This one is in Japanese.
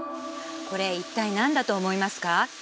これ一体何だと思いますか？